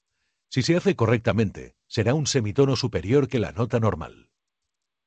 Si se hace correctamente, será un semitono superior que la nota normal.